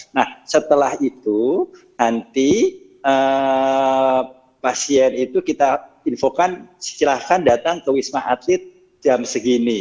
nah setelah itu nanti pasien itu kita infokan silahkan datang ke wisma atlet jam segini